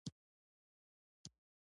پښتو ستاسو د هوډ په تمه ده.